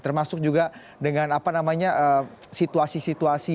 termasuk juga dengan apa namanya situasi situasi